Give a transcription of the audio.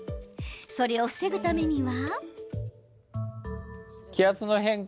それを防ぐためには。